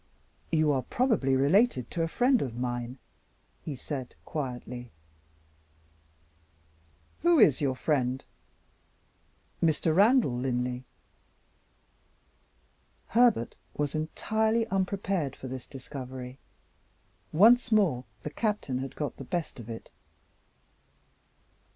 "You are probably related to a friend of mine?" he said, quietly. "Who is your friend?" "Mr. Randal Linley." Herbert was entirely unprepared for this discovery. Once more, the Captain had got the best of it.